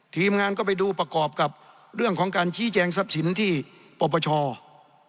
ทีมงานก็ไปดูประกอบกับเรื่องของการชี้แจงทรัพย์สินที่ปปช